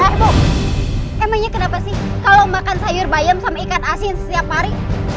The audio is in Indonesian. eh bu emangnya kenapa sih kalau makan sayur bayam sama ikan asin setiap hari